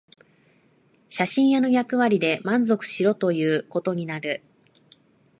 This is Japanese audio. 写真屋の役割で満足しろということになる